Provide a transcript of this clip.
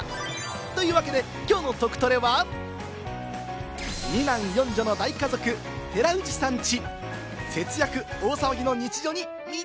というわけで、きょうのトクトレは、２男４女の大家族・寺内さん家。